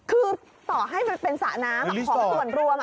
คือต่อให้มันเป็นสระน้ำของส่วนรวม